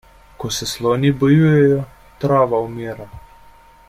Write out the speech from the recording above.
Ko se sloni bojujejo, trava umira.